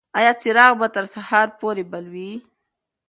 ایا څراغ به تر سهار پورې بل وي؟